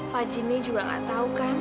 pak jimmy juga gak tahu kan